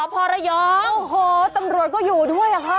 พอระยองโอ้โหตำรวจก็อยู่ด้วยอะค่ะ